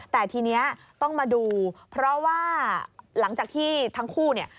แต่ทีนี้ต้องมาดูเพราะว่าหลังจากที่ทั้งคู่เนี่ย